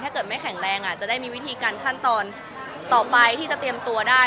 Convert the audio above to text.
ถ้าเกิดไม่แข็งแรงจะได้มีวิธีการขั้นตอนต่อไปที่จะเตรียมตัวได้